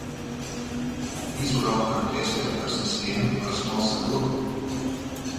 These were often replaced by a person's name or a small symbol.